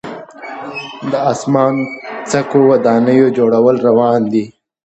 د اسمان څکو ودانیو جوړول روان دي.